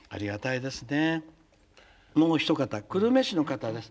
もう一方久留米市の方です。